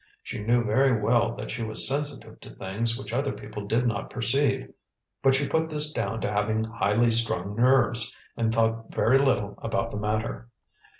She knew very well that she was sensitive to things which other people did not perceive, but she put this down to having highly strung nerves, and thought very little about the matter.